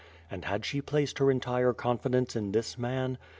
And had she placed her entire confidence in this man?